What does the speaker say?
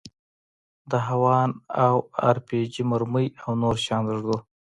د هاوان او ار پي جي مرمۍ او نور شيان ږدو.